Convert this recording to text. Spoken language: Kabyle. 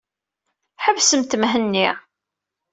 Ḥebsemt Mhenni.